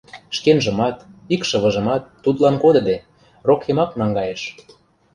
Шкенжымат, икшывыжымат, тудлан кодыде, рок йымак наҥгайыш.